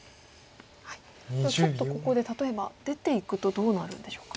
ちょっとここで例えば出ていくとどうなるんでしょうか？